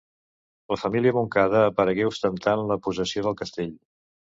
La família Montcada aparegué ostentant la possessió del castell.